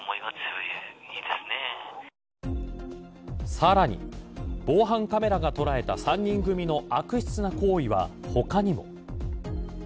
さらに防犯カメラが捉えた３人組の悪質な行為は他にも。